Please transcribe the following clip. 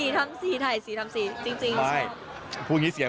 ถ่ายทำซีจริง